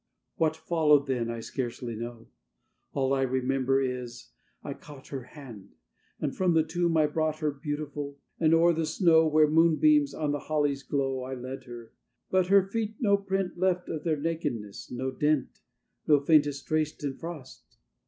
What followed then I scarcely know: All I remember is, I caught Her hand; and from the tomb I brought Her beautiful: and o'er the snow, Where moonbeams on the hollies glow, I led her. But her feet no print Left of their nakedness, no dint, No faintest trace in frost.